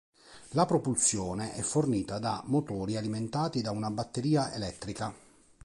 La propulsione è fornita da motori alimentati da una batteria elettrica.